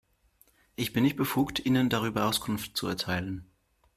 Ich bin nicht befugt, Ihnen darüber Auskunft zu erteilen.